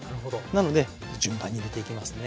なので順番に入れていきますね。